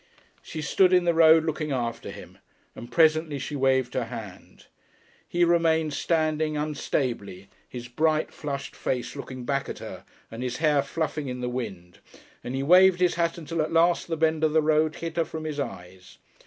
She stood in the road looking after him, and presently she waved her hand. He remained standing unstably, his bright, flushed face looking back at her, and his hair fluffing in the wind, and he waved his hat until at last the bend of the road hid her from his eyes.